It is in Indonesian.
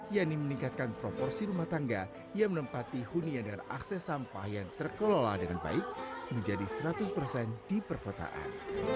yakni meningkatkan proporsi rumah tangga yang menempati hunian dan akses sampah yang terkelola dengan baik menjadi seratus persen di perkotaan